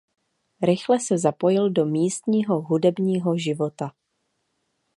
Rychle se zapojil do místního hudebního života.